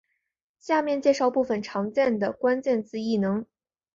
下面介绍部分常见的关键字异能。